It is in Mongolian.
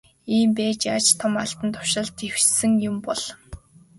Ийм байж яаж том албан тушаалд дэвшсэн юм бол.